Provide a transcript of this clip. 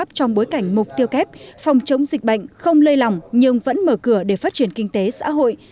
phòng chống dịch bệnh không lây lỏng nhưng vẫn mở cửa để phát triển kinh tế xã hội